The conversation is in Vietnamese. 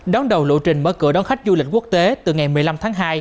đón đầu lộ trình mở cửa đón khách du lịch quốc tế từ ngày một mươi năm tháng hai